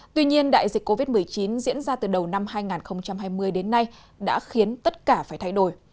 tuy nhiên đại dịch covid một mươi chín diễn ra từ đầu năm hai nghìn hai mươi đến nay đã khiến tất cả phải thay đổi